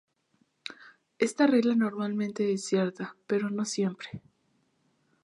Esta regla normalmente es cierta, pero no siempre.